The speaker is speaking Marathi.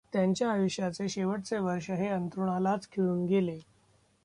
त्यांच्या आयुष्याचे शेवटचे वर्ष हे अंथरूणालाच खिळून गेले.